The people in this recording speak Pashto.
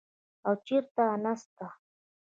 او چېرته نسته.